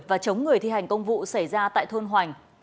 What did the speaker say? và chống người thi hành công vụ xảy ra tại thôn hoành